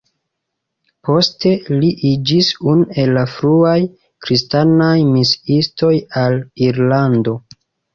Poste li iĝis unu el la fruaj kristanaj misiistoj al Irlando.